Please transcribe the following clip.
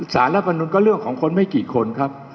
สารรัฐมนุนก็เรื่องของคนไม่กี่คนครับ